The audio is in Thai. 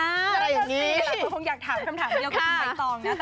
สิคงอยากถามคำถามเดี๋ยวคือไปต่องนะ